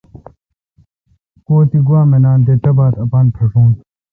کو تہ گوا منان تہ تبتھہ اپان پھݭون۔